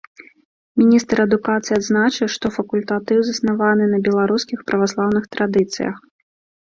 Міністр адукацыі адзначыў, што факультатыў заснаваны на беларускіх праваслаўных традыцыях.